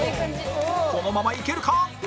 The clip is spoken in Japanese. このままいけるか？